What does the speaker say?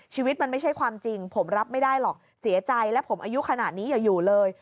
ชีวิตมันไม่ใช่ความจริงผมรับไม่ได้หรอกเสียใจและผมอายุขนาดนี้อย่าอยู่เลย